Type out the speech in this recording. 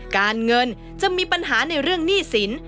การเงินจะมีปัญหาในเรื่องหนี้สิน